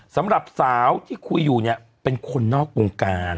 สำหรับสาวที่คุยอยู่เนี่ยเป็นคนนอกวงการ